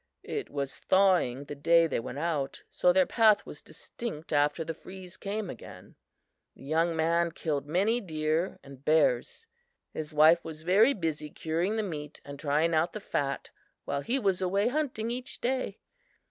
It was thawing the day they went out, so their path was distinct after the freeze came again. "The young man killed many deer and bears. His wife was very busy curing the meat and trying out the fat while he was away hunting each day.